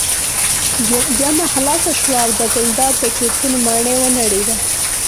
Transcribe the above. جمعه خلاصه شوه او د ګلداد د چورتونو ماڼۍ ونړېده.